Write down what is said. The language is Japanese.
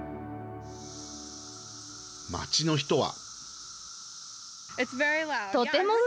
街の人は。